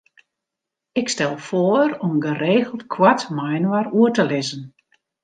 Ik stel foar om geregeld koart mei-inoar oer te lizzen.